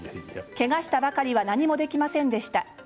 けがしたばかりは何もできませんでした。